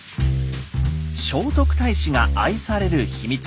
聖徳太子が愛されるヒミツ。